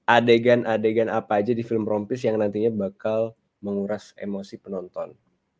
adegan adegan apa aja di film rompis yang nantinya bakal menguras emosi penonton